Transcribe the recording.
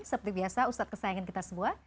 seperti biasa ustadz kesayangan kita semua